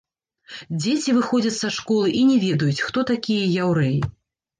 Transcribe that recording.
Дзеці выходзяць са школы і не ведаюць, хто такія яўрэі.